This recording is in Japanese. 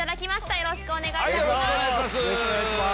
よろしくお願いします。